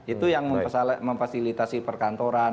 itu yang memfasilitasi perkantoran